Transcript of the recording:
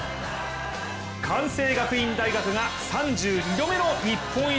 関西学院大学が３２度目の日本一。